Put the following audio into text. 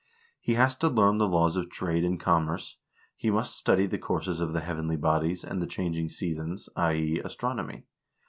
He has to learn the laws of trade and com merce ; he must study the courses of the heavenly bodies, and the changing seasons, i.e. astronomy.